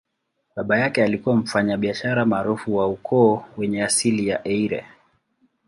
Baba yake alikuwa mfanyabiashara maarufu wa ukoo wenye asili ya Eire.